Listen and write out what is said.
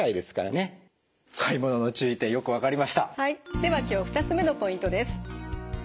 では今日２つ目のポイントです。